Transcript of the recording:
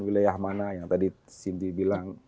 wilayah mana yang tadi cindy bilang